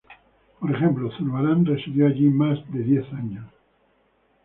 Por ejemplo, Zurbarán residió allí más de diez años.